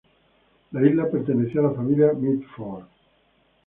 La isla perteneció a la familia Mitford.